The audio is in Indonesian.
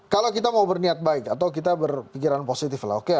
kalau kita mau berniat baik atau kita berpikiran positif lah oke